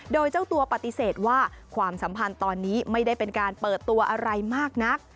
โดยเจ้าตัวปฏิเสธว่าความสัมพันธ์ตอนนี้ไม่ได้เป็นการเปิดตัวอะไรมากนัก